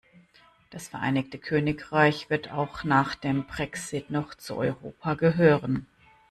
Das Vereinigte Königreich wird auch nach dem Brexit noch zu Europa gehören.